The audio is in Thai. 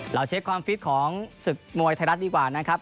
เราเช็คความฟิตของศึกมวยไทยรัฐดีกว่านะครับ